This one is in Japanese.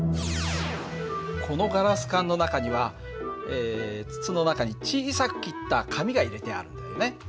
このガラス管の中には筒の中に小さく切った紙が入れてあるんだよね。